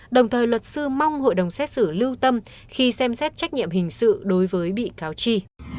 đồng thời luật sư mong hội đồng xét xử lưu tâm khi xem xét trách nhiệm hình sự đối với bị cáo chi